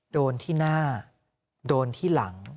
โดนที่หน้าโดนที่หลัง